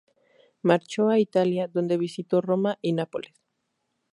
Marchó a Italia, donde visitó Roma y Nápoles.